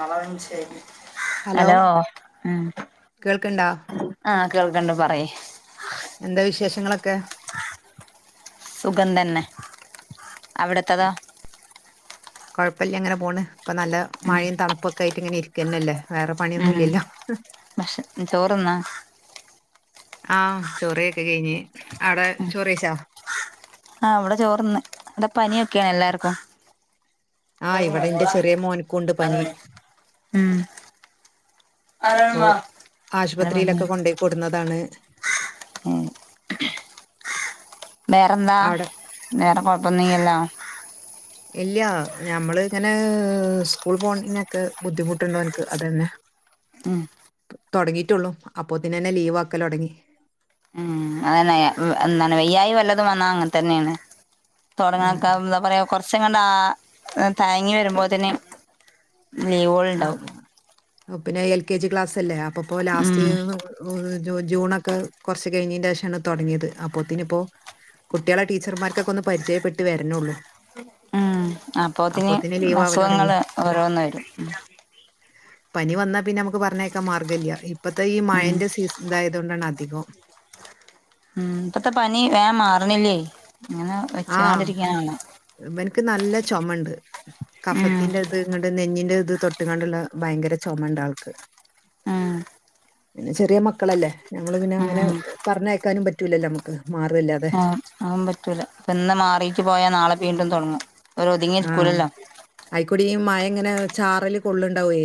ആളെ മൻസിലായില്ലേ ഹലോ ഉം കേൾക്ക്ണ്ടാ ആഹ് കേൾക്ക്ണ്ട് പറി എന്താ വിശേഷങ്ങളൊക്കെ സുഖം തന്നെ അവിടുത്തത്തോ കൊഴപ്പല്ല ഇങ്ങനെ പോണ് ഇപ്പൊ നല്ല മഴയും തണുപ്പോക്കെയിട്ട് ഇങ്ങനെ ഇരി ക്കന്നല്ലേ വേറെ ഉം പണിയൊന്നുംല്ലല്ലോ ഭക്ഷ ചോറ്ന്നാ ആഹ് ചോറെയൊക്കെ കഴിഞ്ഞ് അവ്ടെ ചോറെയ്ച്ചോ ആഹ് ഇവ്ടെ ചോറ്ന്ന് ഇവിടെ പനിയൊക്കെയാണ് എല്ലാർക്കും ആഹ് ഉം ഇവിടെ ഇന്റെ ചെറിയ മോൻക്കുണ്ട് പനി ഉം ഇപ്പോ പെണ്ണ് ആശുപത്രിയിലൊക്കെ കൊണ്ടോയി കൊടുന്നതാണ് ഏഹ് വേറെന്താ അവിടെ വേറെ കൊഴപ്പൊന്നുല്ല ല്ലോ ഇല്ല ഞമ്മള് ഇങ്ങനെ സ്കൂൾ പോണിനൊക്കെ ബുദ്ധിമുട്ടുണ്ട് ഓൻക്ക് അതന്നെ ഉം തോടങ്ങിട്ടുള്ളൂ അപ്പൊത്ത്നെന്നെ ലീവ് ആക്കൽ തോടങ്ങി ഉം അതന്നെ എന്താണ് വയ്യായി വല്ലതും വന്നാ അങ്ങൻ തന്നെയാണ് ആഹ് തുടങ്ങാക്കാ എന്താ പറയാ കുറച്ചങ്ങണ്ട് ആഹ് തയങ്ങി വരുമ്പോത്ത്ന് ലീവളുണ്ടാവും ആഹ് പിന്നെ എൽ കെ ജി ക്ലാസ് അല്ലേ അപ്പൊപ്പോ ലാസ്റ്റ് ഉം ജൂ ജൂണൊക്കെ കൊർച് കഴിഞ്ഞിന്റെശാണ് തോടങ്ങിയത് അപ്പൊത്തിനിപ്പോ കുട്ട്യാളെ ടീച്ചർമാര്ക്കൊക്കെ ഒന്ന് പരിചയപ്പെട്ട് വർണോള്ളൂ ഉം അപ്പോത്തിന് ലീവ് ആവൽ തുടങ്ങി അസുഖങ്ങള് ഓരോന്ന് വരും പനി വന്നാ പിന്നെ നമുക്ക് പറഞ്ഞേക്കാൻ മാർഗല്ല ഇപ്പത്തെ ഈ ഉം മഴന്റെ സീസൺ ഇതായത് കൊണ്ടാണ് അധികം ഉം ഇപ്പത്തെ പനി വേം മാറണില്ലേ ഇങ്ങനെ വെച്ചോണ്ടിരിക്കാനാണ് ഇവൻക്ക് നല്ല ചോമണ്ട് ഉം കഫത്തിന്റെ ഇത് ഇങ്ങട്ട് നെഞ്ഞിന്റെ ഇത് തൊട്ട്ങ്ങാണ്ടുള്ള ഭയങ്കര ചൊമണ്ട് ആൾക്ക് ആഹ് പിന്നെ ചെറിയ മക്കളല്ലേ. ഞമ്മള് പിന്നെ അങ്ങനെ ഉം പറഞ്ഞയക്കാനും പറ്റൂലല്ലോ നമ്മക്ക്. മാറു അല്ലാ ആഹ് അഹോന്നും പറ്റൂല. ഇപ്പൊ ഇന്ന് മാറീട്ട് പോയാ നാളെ വീണ്ടും തോട്ങ്ങും. ആഹ്. അയിക്കൂടി ഈ മഴ ഇങ്ങനെ ചാറല് കൊള്ള്ണ്ടാവേ.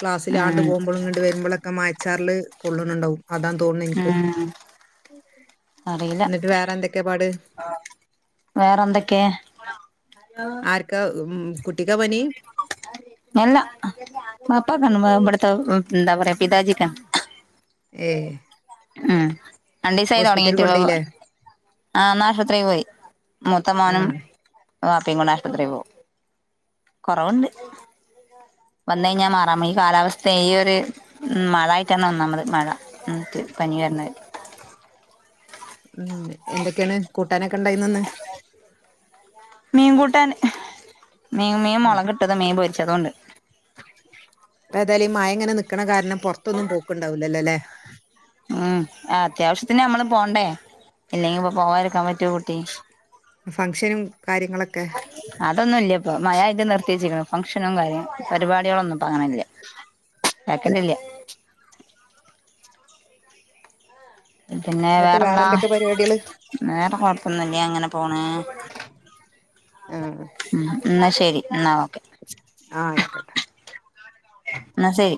ക്ലാസ്സിലാണ്ട് ഉം പോകുമ്പളും ഇങ്ങണ്ട് വരുമ്പളൊക്കെ മഴച്ചാറൽ കൊള്ള്ണ് ണ്ടാവും. അതാണ് തോൺണ് ഇൻക്ക്. ഉം ഇന്നട്ട് വേറെ എന്തൊക്കെയാ പാട്? വേറെ എന്തൊക്കെ? ആര്ക്കാ മ് കുട്ടിക്കാ പനി എല്ലാ വാപ്പക്കാണ് ഏഹ് ഇവട്ത്തെ എന്താ പറയാ പിതാജിക്കാണ് ഏഹ് ആഹ് രണ്ടീസായി തൊടങ്ങിട്ട് വെ വ് കൊണ്ടോയില്ലേ ആഹ്. ന്ന് ആശ്പത്രീ പോയി ആ മൂത്തമോനും വാപ്പി കൂടെ ആശുപത്രി പോവും. കൊറവ്ണ്ട്. വന്ന് കഴിഞ്ഞാ മാറാമെ. ഈ കാലാവസ്ഥയെ. ഈ ഒരു മഴായിട്ടാണ് ഒന്നാമത്. മഴ മ്മ് ട്ട് പനി വര്നത്. മ്മ്ഹ്. എന്തക്കെണ് കൂട്ടാനൊക്കെണ്ടായ്ന്നത് ന്ന്? മീൻ കൂട്ടാൻ ഹ്. മീൻ മീൻ മൊളകിട്ടത് മീൻ പൊരിച്ചതൂണ്ട്. പ്പ ഏതായാലു ഈ മഴ ഇങ്ങനെ നിക്ക്ണ കാരണം പുറത്തൊന്നും പോക്ക്ണ്ടാവുലല്ലോല്ലേ. മ്ഹ്. ആഹ് അത്യാവശ്യത്തിന് നമ്മള് പോണ്ടേ എല്ലെങ്കി പ്പോ പോവാതിരിക്കാൻ പറ്റൊ കുട്ടി. ഫംഗ്ഷനും കാര്യങ്ങളൊക്കെ. അതൊന്നുല്ല്യ ഇപ്പം. മഴായിട്ട് നിർത്തി വെച്ചിക്ണ്. ഫംഗ്ഷനും കാര്യങ്ങളും പരിപാടിളൊന്നും. ഇപ്പ അങ്ങനല്ല്യ. കേക്കലില്ല്യ. പിന്നെ എന്നിട്ട് വേറെ വേറെന്താ? എന്തൊക്കെ പരിപാടികള് വേറെ കൊഴപ്പൊന്നുല്ല്യാ ഇങ്ങനെ പോണ്. ആഹ് അഹ് മ്മ് ഹ്. ഇന്നാ ശരി. ഇന്നാ ഓക്കെ. ആഹ് അയിക്കോട്ടെ. ന്നാ സെരി.